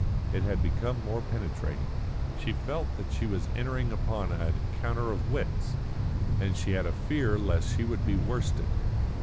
It had become more penetrating. She felt that she was entering upon an encounter of wits, and she had a fear lest she should be worsted.